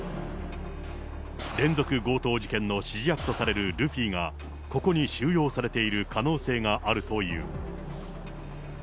連続強盗事件の指示役とされるルフィが、ここに収容されている可能性があるという。